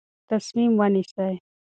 تصمیم ونیسئ.